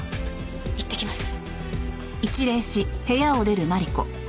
行ってきます。